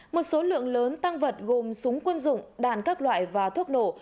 một số lượng lớn tăng vật gồm súng quân dụng đàn các loại và thuốc nổ